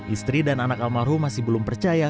istri dan anak almarhum masih belum percaya